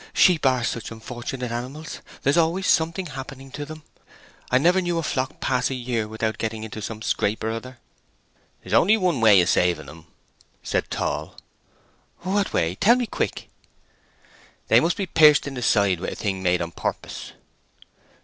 "Sheep are such unfortunate animals!—there's always something happening to them! I never knew a flock pass a year without getting into some scrape or other." "There's only one way of saving them," said Tall. "What way? Tell me quick!" "They must be pierced in the side with a thing made on purpose."